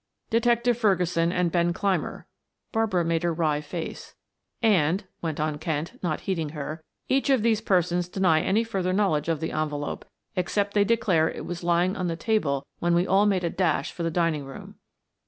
"Detective Ferguson and Ben Clymer," Barbara made a wry face, "and" went on Kent, not heeding her, "each of these persons deny any further knowledge of the envelope, except they declare it was lying on the table when we all made a dash for the dining room.